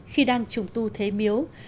khi đang trùng tu thế miếu